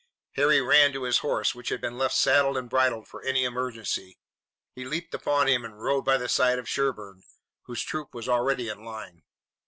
Harry ran to his horse, which had been left saddled and bridled for any emergency. He leaped upon him and rode by the side of Sherburne, whose troop was already in line.